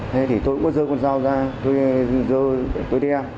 thế thì tôi cũng có dơ con dao ra tôi đeo